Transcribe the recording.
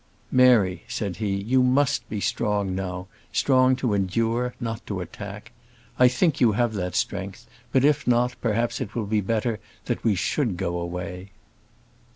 "Mary," said he, "you must be strong now; strong to endure, not to attack. I think you have that strength; but, if not, perhaps it will be better that we should go away."